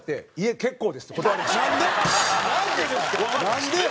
なんでよ？